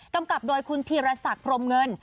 ำกับโดยคุณธีรศักดิ์พรมเงิน